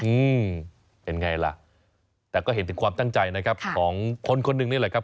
อืมเป็นอย่างไรล่ะแต่ก็เห็นถึงความตั้งใจของคนหนึ่งนี่แหละครับ